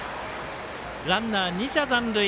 ランナー、２者残塁。